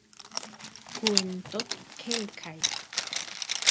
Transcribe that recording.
kwentot qelqay